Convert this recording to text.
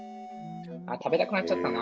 あ食べたくなっちゃったな。